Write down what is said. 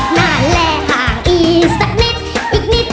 หน่าแหละห่างอีกสักอีกนิด